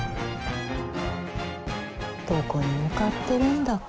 どこに向かってるんだか。